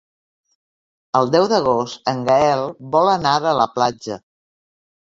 El deu d'agost en Gaël vol anar a la platja.